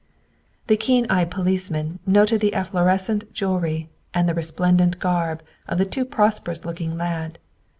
The keen eyed policeman noted the efflorescent jewelry, and the resplendent garb of the too prosperous looking lad.